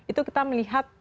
itu kita melihat